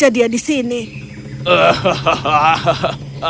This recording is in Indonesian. aku tidak tahu